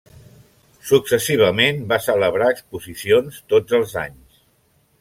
Successivament va celebrar exposicions tots els anys.